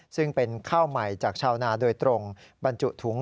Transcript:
ซึ่งเป็นข้าวใหม่จากชาวนาโดยตรงบรรจุถุง